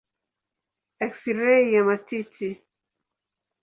Eksirei ya matiti.